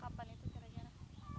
kapan itu kira kira